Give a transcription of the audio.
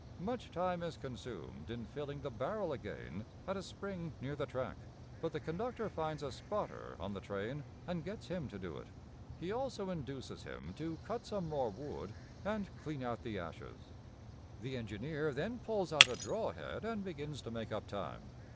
Much time is consumed in filling the barrel again at a spring near the track, but the conductor finds a "spotter" on the train, and gets him to do it. He also induces him to cut some more wood and clean out the ashes. The engineer then pulls out a draw head and begins to make up time.